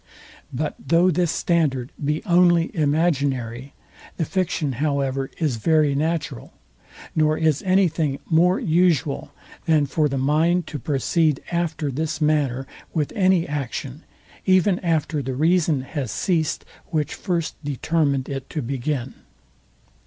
But though this standard be only imaginary, the fiction however is very natural; nor is anything more usual, than for the mind to proceed after this manner with any action, even after the reason has ceased, which first determined it to begin.